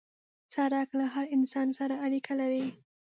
سړک له هر انسان سره اړیکه لري.